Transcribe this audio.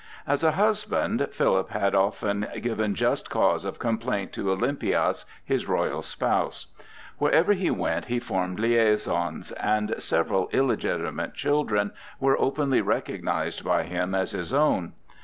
As a husband, Philip had often given just cause of complaint to Olympias, his royal spouse. Wherever he went he formed liaisons, and several illegitimate children were openly recognized by him as his own.